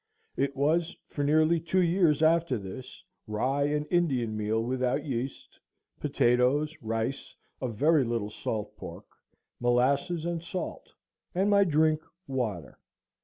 It was, for nearly two years after this, rye and Indian meal without yeast, potatoes, rice, a very little salt pork, molasses, and salt, and my drink water.